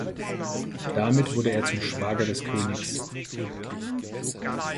Damit wurde er zum Schwager des Königs.